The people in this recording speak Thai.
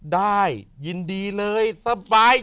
ได้ยินดีเลยสบาย